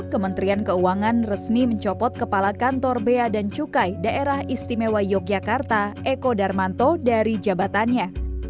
kementerian keuangan resmi mencopot kepala kantor bea dan cukai daerah istimewa yogyakarta eko darmanto dari jabatannya